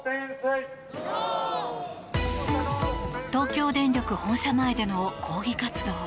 東京電力本社前での抗議活動。